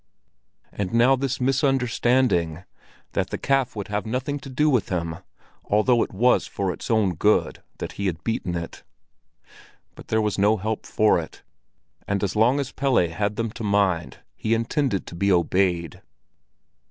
And now this misunderstanding —that the calf would have nothing to do with him, although it was for its own good that he had beaten it! But there was no help for it, and as long as Pelle had them to mind, he intended to be obeyed.